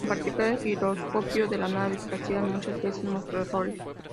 En particular, el giroscopio de la nave espacial, muchas veces mostró errores.